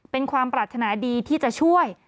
เป็นความปรารถนาดีที่จะช่วย